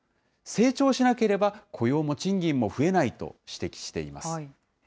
成長しなければ、雇用も賃金も増えないと指摘しています。